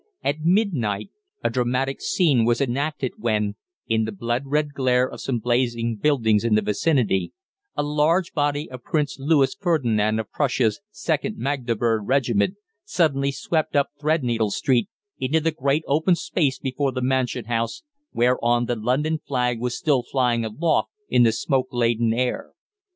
At midnight a dramatic scene was enacted when, in the blood red glare of some blazing buildings in the vicinity, a large body of Prince Louis Ferdinand of Prussia's 2nd Magdeburg Regiment suddenly swept up Threadneedle Street into the great open space before the Mansion House, whereon the London flag was still flying aloft in the smoke laden air.